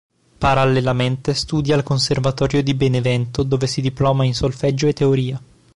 Parallelamente studia al Conservatorio di Benevento dove si diploma in Solfeggio e Teoria.